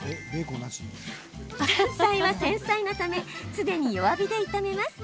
山菜は繊細なため常に弱火で炒めます。